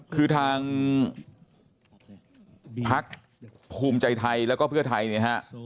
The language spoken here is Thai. คือทางภักดิ์ภูมิใจไทยแล้วก็เพื่อไทยนะครับ